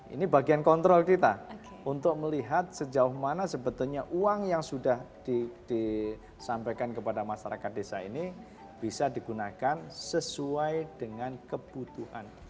ini bagian kontrol kita untuk melihat sejauh mana sebetulnya uang yang sudah disampaikan kepada masyarakat desa ini bisa digunakan sesuai dengan kebutuhan